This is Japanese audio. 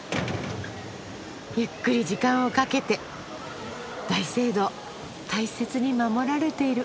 ゆっくり時間をかけて大聖堂大切に守られている。